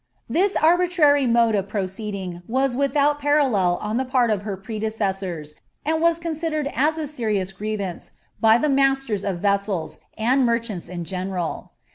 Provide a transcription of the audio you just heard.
This arbitrary mode of proceeding was wilbost parallel on the part of her predecessors, and was considered as a icrm> grievance, by the masters of vessels, and merchants in general.'